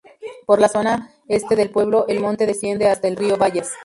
Por la zona este del pueblo el monte desciende hasta el río Bayas.